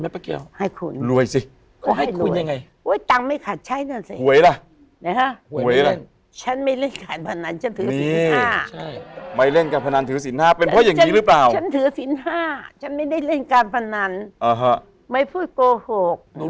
ผ่ายบางคนตังค์อยู่